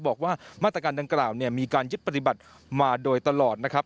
บอกว่ามาตรการดังกล่าวเนี่ยมีการยึดปฏิบัติมาโดยตลอดนะครับ